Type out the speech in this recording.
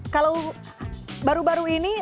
kalau baru baru ini